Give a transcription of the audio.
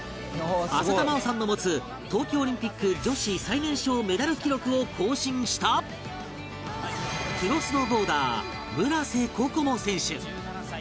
浅田真央さんの持つ冬季オリンピック女子最年少メダル記録を更新したプロスノーボーダー村瀬心選手